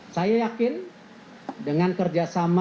saya yakin dengan kerjasama